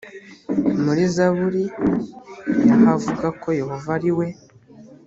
muri zaburi ya havuga ko yehova ari we